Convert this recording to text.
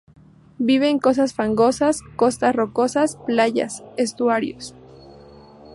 Vive en costas fangosas, costas rocosas, playas, estuarios.